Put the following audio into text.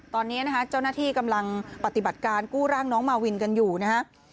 ตอนนี้นะฮะเจ้าหน้าที่กำลังปฏิบัติการกู้ร่างน้องมาวินกันอยู่นะฮะ